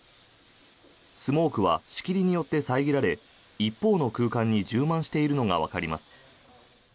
スモークは仕切りによって遮られ一方の空間に充満しているのがわかります。